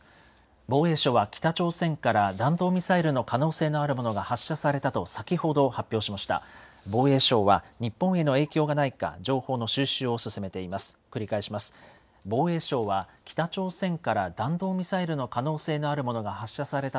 防衛省は、北朝鮮から弾道ミサイルの可能性のあるものが発射されたと先ほど発表しました。